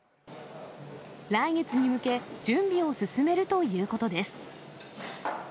来月に向け、準備を進めるということです。